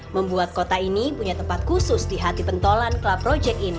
membuat kota ini punya tempat khusus di hati pentolan klub project ini